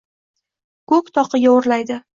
Ko’k toqiga o’rlaydi.